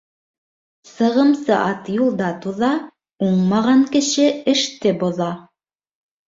Сығымсы ат юлда туҙа, уңмаған кеше эште боҙа.